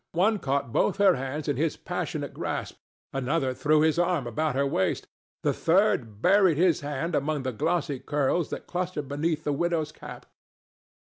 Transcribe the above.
One caught both her hands in his passionate grasp, another threw his arm about her waist, the third buried his hand among the glossy curls that clustered beneath the widow's cap.